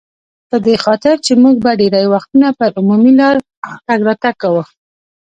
په دې خاطر چې موږ به ډېری وختونه پر عمومي لار تګ راتګ کاوه.